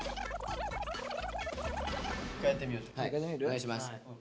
お願いします。